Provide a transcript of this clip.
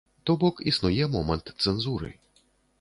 То бок існуе момант цэнзуры.